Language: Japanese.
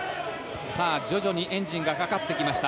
徐々にエンジンがかかってきました